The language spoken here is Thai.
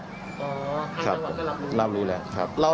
อ๋อทางจังหวัดก็รับรู้แล้ว